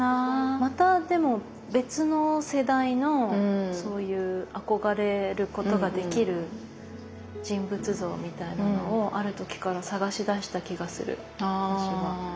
またでも別の世代のそういう憧れることができる人物像みたいなのをある時から探しだした気がする私は。